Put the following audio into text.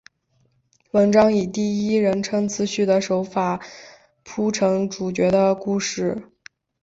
文章以第一人称自叙的手法铺陈主角的故事。